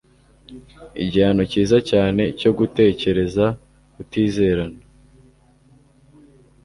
Igihano cyiza cyane cyo gutekereza kutizerana